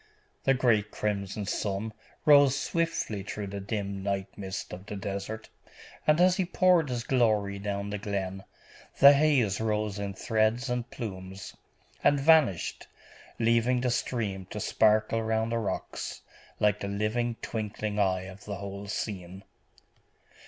The great crimson sun rose swiftly through the dim night mist of the desert, and as he poured his glory down the glen, the haze rose in threads and plumes, and vanished, leaving the stream to sparkle round the rocks, like the living, twinkling eye of the whole scene.